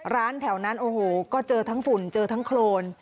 ร้านแถวนั้นโอ้โหก็เจอทั้งฝุ่นเจอทั้งโครน